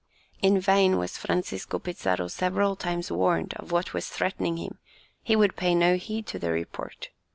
In vain was Francisco Pizarro several times warned of what was threatening him, he would pay no heed to the report.